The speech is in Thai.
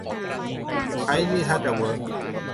ใช้นี่ ท่าจะเวิร์ก